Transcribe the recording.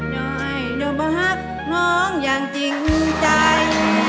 น้อยโดนบ่ฮักน้องอย่างจริงใจ